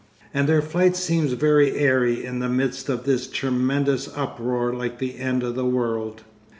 And their flight seems very airy in the midst of this tremendous uproar like the end of the world.